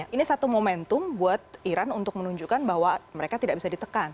ini satu momentum buat iran untuk menunjukkan bahwa mereka tidak bisa ditekan